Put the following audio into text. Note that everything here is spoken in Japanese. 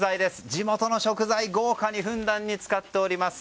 地元の食材豪華にふんだんに使っております。